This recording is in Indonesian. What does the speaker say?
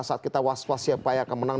saat kita was was siapa yang akan menang